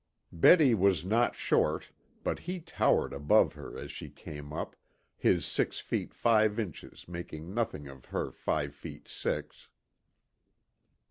Betty was not short, but he towered above her as she came up, his six feet five inches making nothing of her five feet six.